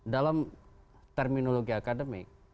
dalam terminologi akademik